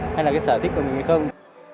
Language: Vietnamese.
hay là cái sở thích của mình hay không